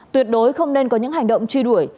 tuyệt đối không nên có những hành động truy đuổi